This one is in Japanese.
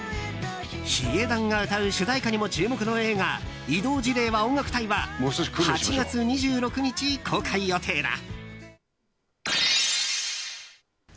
ヒゲダンが歌う主題歌にも注目の映画「異動辞令は音楽隊！」は８月２６日公開予定だ。